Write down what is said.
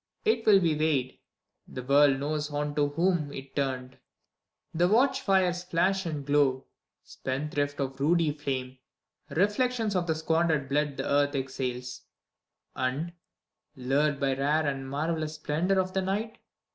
It will be weighed: the world knows unto whom it turned. The watch fires flash and glow, spendthrift of ruddy flame; Reflections of the squandered blood the earth exhales, And, lured by rare and marvellous splendor of the night.